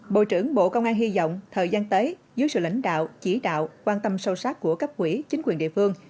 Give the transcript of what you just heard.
bộ trưởng bộ công an hy vọng thời gian tới dưới sự lãnh đạo chỉ đạo quan tâm sâu sắc của cấp quỹ chính quyền địa phương